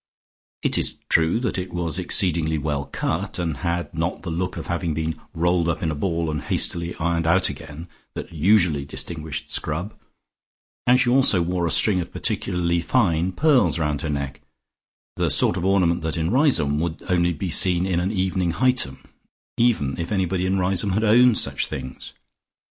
It is true that it was exceedingly well cut, and had not the look of having been rolled up in a ball and hastily ironed out again that usually distinguished Scrub, and she also wore a string of particularly fine pearls round her neck, the sort of ornament that in Riseholme would only be seen in an evening Hightum, even if anybody in Riseholme had owned such things.